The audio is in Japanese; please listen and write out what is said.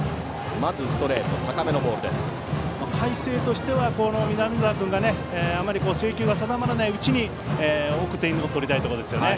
海星としては、この南澤君があまり制球が定まらないうちに多く点を取りたいところですね。